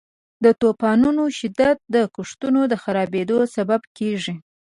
د طوفانونو شدت د کښتونو د خرابیدو سبب کیږي.